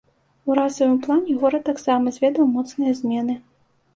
У расавым плане горад таксама зведаў моцныя змены.